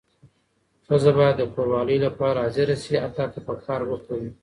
ښځه باید د کوروالې لپاره حاضره شي حتی که په کار بوخته وي.